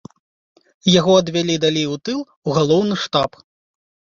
Яго адвялі далей у тыл, у галоўны штаб.